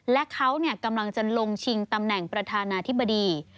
และเขากำลังจะลงชิงตำแหน่งประธานาธิบดี